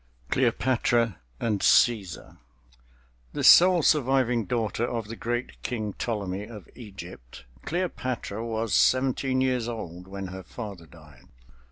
CLEOPATRA AND CÆSAR The sole surviving daughter of the great King Ptolemy of Egypt, Cleopatra was seventeen years old when her father died.